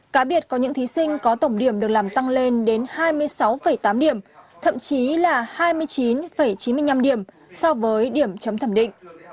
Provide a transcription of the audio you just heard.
cá biệt có những thí sinh có tổng điểm được làm tăng lên đến hai mươi sáu tám điểm thậm chí là hai mươi chín chín mươi năm điểm so với điểm chấm thẩm định